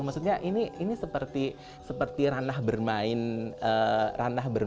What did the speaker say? maksudnya ini seperti ranah bermain di sisi yang lain gitu